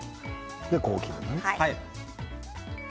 ここを切るのね。